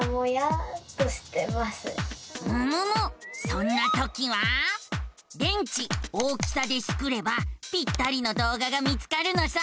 そんなときは「電池大きさ」でスクればぴったりの動画が見つかるのさ。